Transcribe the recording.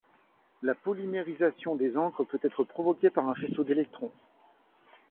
La polymérisation des encres peut être provoquée par un faisceau d'électrons.